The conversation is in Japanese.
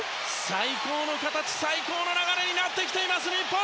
最高の形、最高の流れになってきています日本！